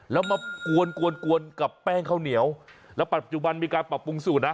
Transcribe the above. แล้วมากวนกวนกวนกับแป้งข้าวเหนียวแล้วปัจจุบันมีการปรับปรุงสูตรนะ